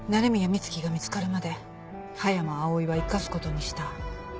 美月が見つかるまで葉山葵は生かすことにした。